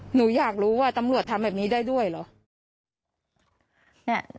หนูอยากรู้ว่าตำรวจทำแบบนี้ได้ด้วยเหรอ